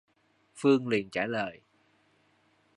Phương liền trả lời